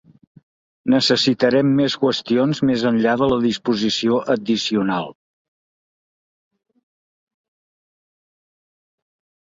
Necessitarem més qüestions més enllà de la disposició addicional.